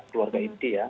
keluarga inti ya